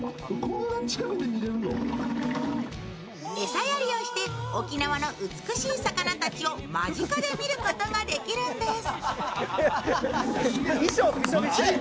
餌やりをして沖縄の美しい魚たちを間近で見ることができるんです。